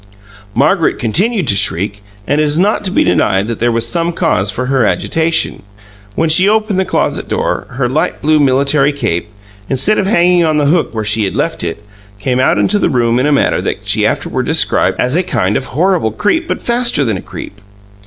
Margaret continued to shriek, and it is not to be denied that there was some cause for her agitation. When she opened the closet door, her light blue military cape, instead of hanging on the hook where she had left it, came out into the room in a manner that she afterward described as "a kind of horrible creep, but faster than a creep."